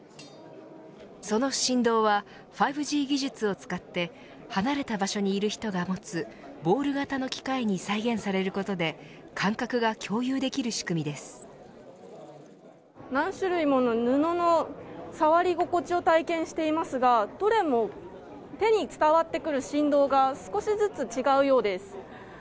その振動は５Ｇ技術を使って離れた場所にいる人が持つボール型の機械に再現されることで何種類もの布の触り心地を体験していますがどれも手に伝わってくる振動が少しずつ違うようです。